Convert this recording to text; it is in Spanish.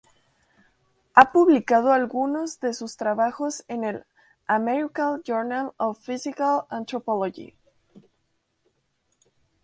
Ha publicado algunos de sus trabajos en el "American Journal of Physical Anthropology".